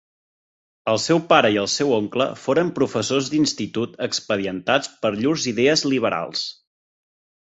El seu pare i el seu oncle foren professors d'institut expedientats per llurs idees liberals.